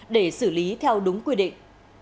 để xử lý theo đúng quy định